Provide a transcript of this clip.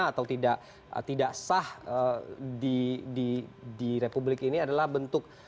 atau tidak sah di republik ini adalah bentuk